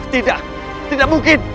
tidak tidak mungkin